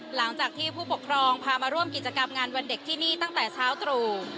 หลังจากที่ผู้ปกครองพามาร่วมกิจกรรมงานวันเด็กที่นี่ตั้งแต่เช้าตรู่